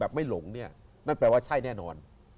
แบบไม่หลงนั่นแปลว่าใช่แน่นอน